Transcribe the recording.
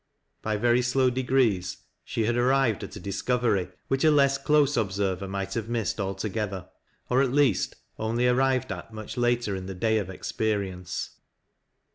By very slow degrees she had arrived at a discovery which a less close observer might have missed altogether, or at least only arrived at much later in the day of ex perience.